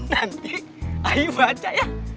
nanti ayu baca ya